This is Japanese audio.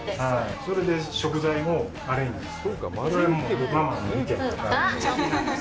それで食材をアレンジして。